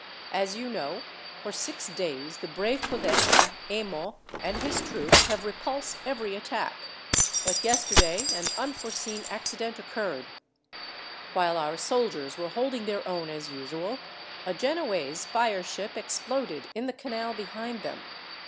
As you know, for six days the brave podesta, Emo, and his troops have repulsed every attack; but yesterday an unforeseen accident occurred. While our soldiers were holding their own, as usual, a Genoese fire ship exploded in the canal behind them.